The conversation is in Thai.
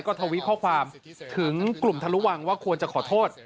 ก็ทวิตข้อความถึงกลุ่มทะลุวังว่าควรจะขอโทษ